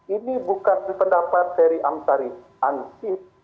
ini bukan pendapat ferry amsari ansip